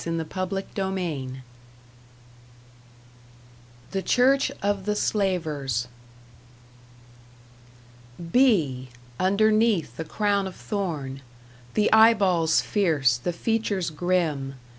#BOOK FOUR# #The Church of the Slavers# Bee, underneath the Crown of Thorn, The eye balls fierce, the features grim!